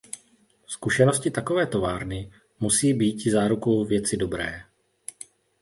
Zkušenosti takové továrny musí býti zárukou věci dobré.